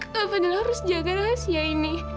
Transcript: kaponil harus jaga rahasia ini